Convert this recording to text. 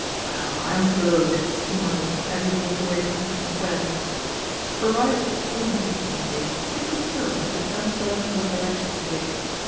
"Well, I'm blowed !" he muttered as he walked away from Eaton Square. Arrived at the corner of Eaton Place, he stood still as if uncertain what direction to take.